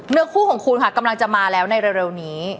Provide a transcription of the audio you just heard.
เนื้อคู่ของคุณค่ะกำลังจะมาแล้วในเร็วนี้